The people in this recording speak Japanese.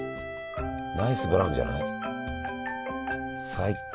ナイスブラウンじゃない？最高。